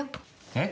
えっ？